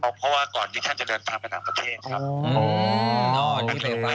เพราะว่าก่อนที่ท่านจะเดินทางไปต่างประเทศครับ